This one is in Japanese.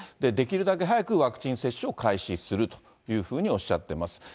できるだけ早くワクチン接種を開始するというふうにおっしゃっています。